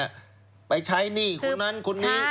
ใช้ไปแล้วด้วยไปใช้หนี้คุณนั้นคุณนี่